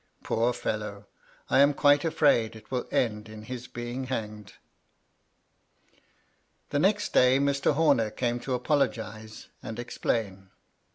Poor fellow ! I am quite afraid it will end in his being hanged 1" The next day Mr. Homer came to apologise and explain.